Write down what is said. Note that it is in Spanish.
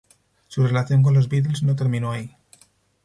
Su relación con los Beatles no terminó ahí.